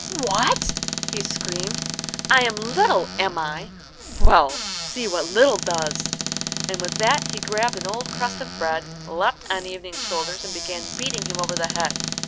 "What?" he screamed. "I am little, am I? Well, see what little does!" And with that he grabbed an old crust of bread, leapt on Evening's shoulders, and began beating him over the head.